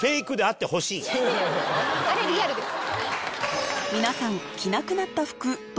あれリアルです。